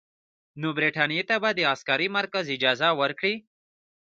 نو برټانیې ته به د عسکري مرکز اجازه ورکړي.